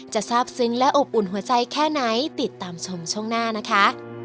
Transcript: ทราบซึ้งและอบอุ่นหัวใจแค่ไหนติดตามชมช่วงหน้านะคะ